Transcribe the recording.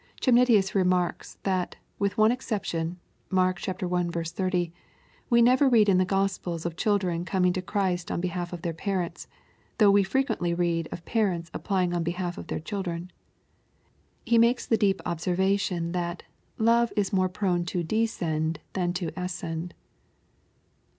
] Chemnitius remarks, that, with one exception (Mark L 30), we never read in the Gk)spels of children coming to Christ on behalf of their parents, though we frequently read of parents applying on behalf of their children. He makes the deep observation, that " love is more prone to descend than to ascend.